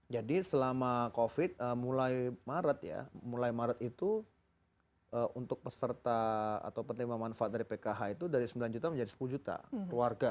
jadi selama covid mulai maret ya mulai maret itu untuk peserta atau penerima manfaat dari pkh itu dari sembilan juta menjadi sepuluh juta keluarga